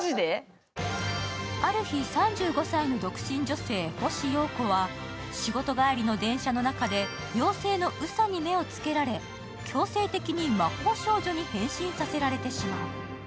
ある日、３５歳の独身女性、保守ようこは仕事帰りの電車の中で、妖精のうさに目をつけられ、強制的に魔法少女に変身させられてしまう。